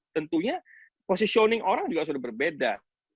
tentunya positioning orang juga sudah berbeda